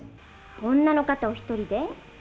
女の方お一人で？